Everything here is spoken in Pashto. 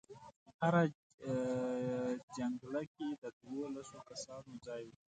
هره جنګله کې د دولسو کسانو ځای و.